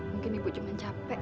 mungkin ibu cuma capek